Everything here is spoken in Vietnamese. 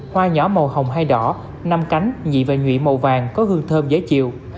hoa nhỏ màu hồng hay đỏ năm cánh nhị và nhụy màu vàng có hương thơm dễ chịu